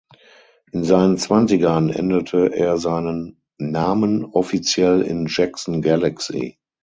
In seinen Zwanzigern änderte er seinen Namen offiziell in Jackson Galaxy.